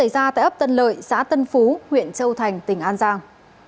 đấp tân lợi xã tân phú huyện châu thành tỉnh an giang